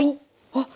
あっ。